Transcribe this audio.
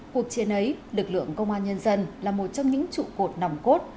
cuộc chiến ấy lực lượng công an nhân dân là một trong những trụ cột nòng cốt